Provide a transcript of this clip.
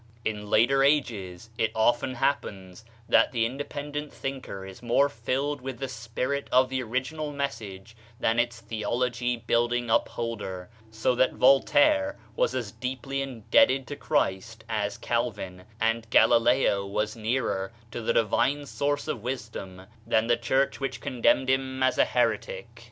In later ages it often happens that the inde pendent thinker is more filled with the spirit of the original message than its theology build ing upholder, so that Voltaire was as deeply indebted to Christ as Calvin, and Galileo was nearer to the divine source of wisdom than the church which condemned him as a heretic.